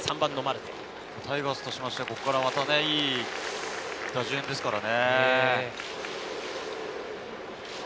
タイガースとしては、ここからまたいい打順ですからね。